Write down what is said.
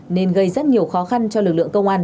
nên gây rất nhiều khó khăn cho lực lượng công an